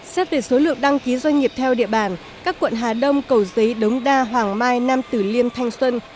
xét về số lượng đăng ký doanh nghiệp theo địa bàn các quận hà đông cầu giấy đống đa hoàng mai nam tử liêm thanh xuân